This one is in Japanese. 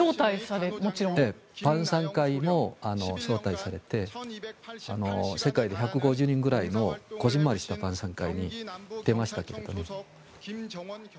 晩さん会も招待されて世界で１５０人ぐらいの小ぢんまりした晩さん会に出ましたけどね。